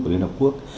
của liên hợp quốc